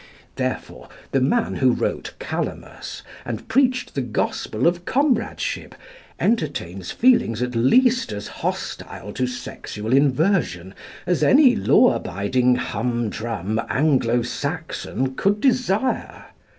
Therefore the man who wrote "Calamus," and preached the gospel of comradeship, entertains feelings at least as hostile to sexual inversion as any law abiding humdrum Anglo Saxon could desire.